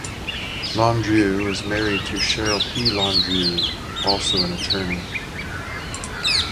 Landrieu is married to Cheryl P. Landrieu, also an attorney.